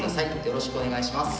よろしくお願いします。